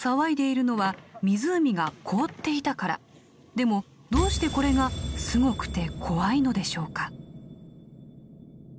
でもどうしてこれがすごくて怖いのでしょうか？